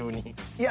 いや。